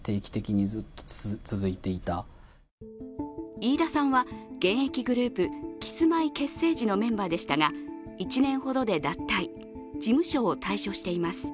飯田さんは現役グループ、キスマイ結成時のメンバーでしたが１年ほどで脱退、事務所を退所しています。